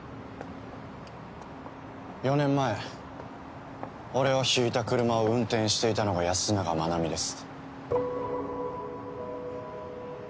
４年前俺をひいた車を運転していたのが安永真奈美です。